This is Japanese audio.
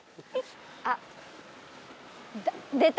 あっ出た。